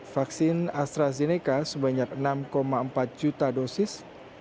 vaksin astrazeneca sebanyak enam empat juta dosis